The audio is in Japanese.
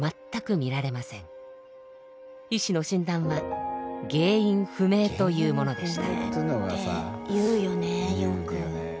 医師の診断は原因不明というものでした。